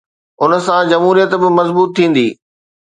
ان سان جمهوريت به مضبوط ٿيندي.